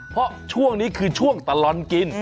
เพราะช่วงนี้คือช่วงตลอดกิน